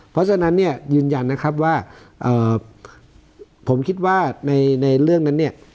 เพราะฉะนั้นเนี่ยยืนยันนะครับว่าผมคิดว่าในเรื่องนั้นเนี่ย